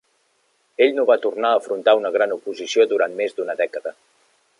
Ell no va tornar a afrontar una gran oposició durant més d"una dècada.